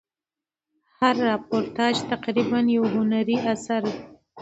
هر راپورتاژ تقریبآ یو هنري اثر دئ.